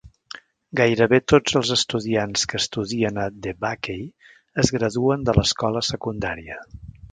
Gairebé tots els estudiants que estudien a DeBakey es graduen de l'escola secundària.